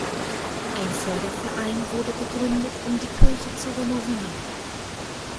Ein Förderverein wurde gegründet, um die Kirche zu renovieren.